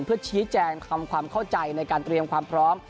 เพื่อชี้แจงทำความเข้าใจในการเตรียมความพร้อม